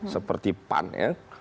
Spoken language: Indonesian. seperti pan ya